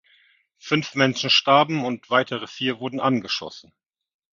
Fünf Menschen starben, und weitere vier wurden angeschossen.